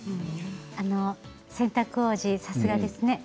洗濯王子、さすがですね。